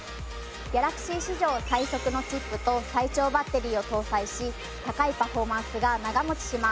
ギャラクシー史上最速のチップと最長バッテリーを搭載し高いパフォーマンスが長持ちします。